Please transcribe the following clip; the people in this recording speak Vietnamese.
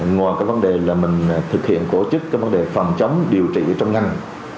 ngoài cái vấn đề là mình thực hiện cổ chức cái vấn đề phòng chống điều trị trong ngành